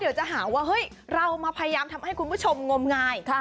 เดี๋ยวจะหาว่าเฮ้ยเรามาพยายามทำให้คุณผู้ชมงมงาย